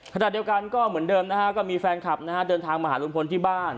ขณะเดียวกันก็เหมือนเดิมนะฮะก็มีแฟนคลับนะฮะเดินทางมาหาลุงพลที่บ้าน